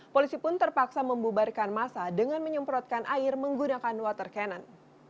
polisi pun terpaksa membubarkan masa dengan menyemprotkan air menggunakan water cannon